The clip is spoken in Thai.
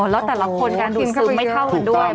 แล้วแต่ละคนการดูซึมไม่เท่ากันด้วย